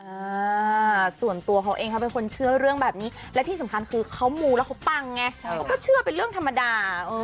อ่าส่วนตัวเขาเองเขาเป็นคนเชื่อเรื่องแบบนี้และที่สำคัญคือเขามูแล้วเขาปังไงเขาก็เชื่อเป็นเรื่องธรรมดา